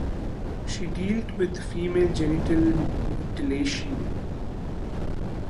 She dealt with Female genital mutilation.